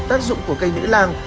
tác dụng của cây nữ lang